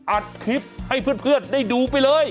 อัดคลิปให้เพื่อนได้ดูไปเลย